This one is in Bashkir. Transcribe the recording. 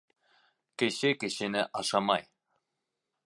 Кеше кешене ашамай...